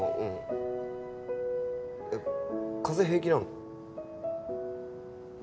えっ？